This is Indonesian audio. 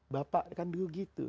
bapak kan dulu gitu